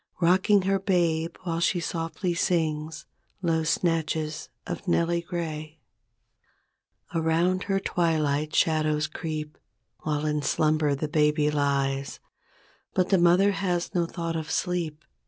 Rocking her babe while she softly sings Low snatches of "Nellie Gray." Around her twilight shadows creep. While in slumber the baby lies; But the mother has no thought of sleep.